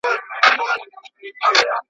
چا چي کړي پر مظلوم باندي ظلمونه.